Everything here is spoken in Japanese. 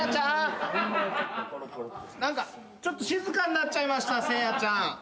何か静かになっちゃいましたせいやちゃん。